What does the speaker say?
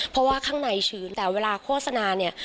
เพราะว่าข้างในชื้นแต่เวลาโฆษณาเนี่ย